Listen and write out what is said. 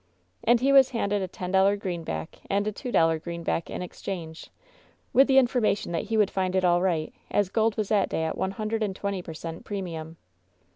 And he was handed a ten dollar greenback and a two dollar greenback in ex change, with the information that he would find it all right, as gold was that day at one hundred and twenty per cent, premium.